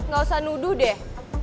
gak usah nuduh deh